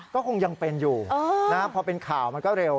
ก็คงยังเป็นอยู่พอเป็นข่าวมันก็เร็ว